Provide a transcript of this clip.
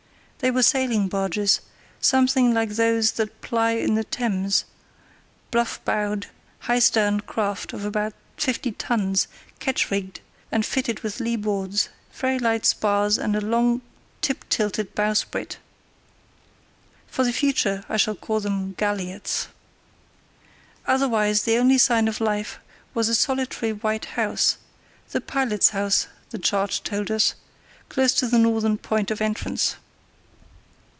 They were sailing barges, something like those that ply in the Thames, bluff bowed, high sterned craft of about fifty tons, ketch rigged, and fitted with lee boards, very light spars, and a long tip tilted bowsprit. (For the future I shall call them "galliots".) Otherwise the only sign of life was a solitary white house—the pilot's house, the chart told us—close to the northern point of entrance.